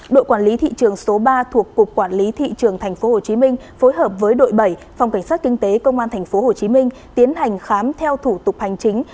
đội quản lý thị trường số ba thuộc cục quản lý thị trường tp hcm phối hợp với đội bảy phòng cảnh sát kinh tế công an tp hcm tiến hành khám theo thủ tục hành chính